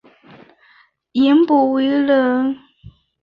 颜伯玮人。